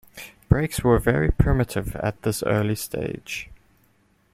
Brakes were very primitive at this early stage.